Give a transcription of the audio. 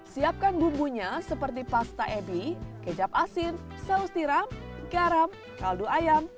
siapkan bumbunya seperti pasta ebi kecap asin saus tiram garam kaldu ayam